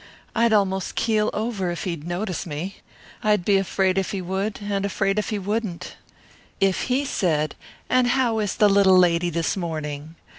I'd almost keel over if he'd notice me. I'd be afraid if he would and afraid if he wouldn't. If he said 'And how is the little lady this morning?